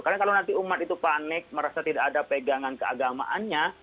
karena kalau nanti umat itu panik merasa tidak ada pegangan keagamaannya